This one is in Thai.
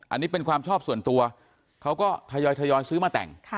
อันนี้เป็นความชอบส่วนตัวเขาก็ทยอยซื้อมาแต่ง